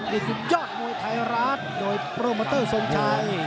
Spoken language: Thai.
นี่คือยอดมวยไทยราชโดยโปรเมอเตอร์สมชัย